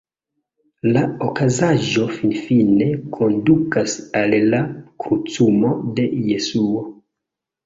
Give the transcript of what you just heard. La okazaĵo finfine kondukas al la krucumo de Jesuo.